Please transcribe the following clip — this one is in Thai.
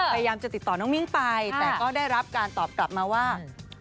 พยายามจะติดต่อน้องมิ้งไปแต่ก็ได้รับการตอบกลับมาว่า